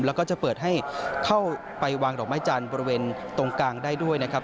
แล้วก็จะเปิดให้เข้าไปวางดอกไม้จันทร์บริเวณตรงกลางได้ด้วยนะครับ